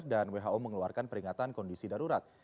dan who mengeluarkan peringatan kondisi darurat